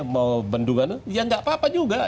mau bendungan ya nggak apa apa juga